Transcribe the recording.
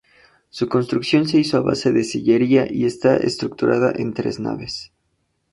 Su construcción se hizo a base de sillería y está estructurada en tres naves.